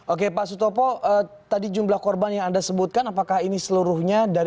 oke pak sutopo tadi jumlah korban yang anda sebutkan apakah ini seluruhnya